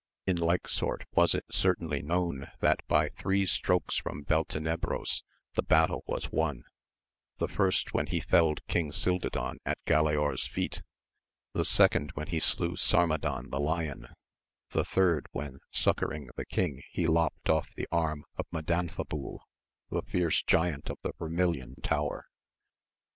In like sort was it certainly known that by three strokes from Beltenebros the battle was won; the first when he felled King Cildadan at Galaor's feet, the second when he slew Sarmadan the Lion, the third when, succouring the king, he lopt oflf the arm of Madanfabul the fierce giant of the Vermilion Tower.